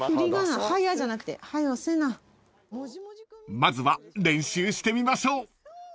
［まずは練習してみましょう］